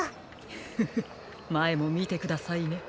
フフフまえもみてくださいね。